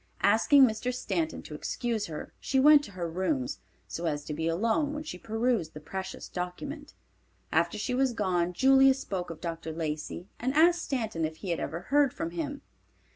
Asking Mr. Stanton to excuse her, she went to her rooms, so as to be alone when she perused the precious document. After she was gone, Julia spoke of Dr. Lacey and asked Stanton if he had ever heard from him.